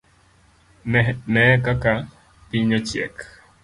Nehe kaka piny ochiek.